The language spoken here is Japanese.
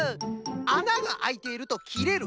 「あながあいている」と「きれる」。